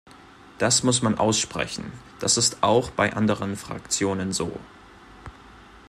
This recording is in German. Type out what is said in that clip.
Das muss man aussprechen, das ist auch bei anderen Fraktionen so.